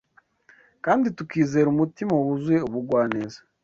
kandi tukizera umutima wuzuye ubugwaneza